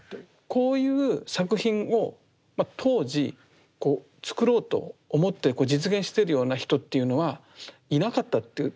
こういう作品を当時作ろうと思って実現してるような人っていうのはいなかったっていう？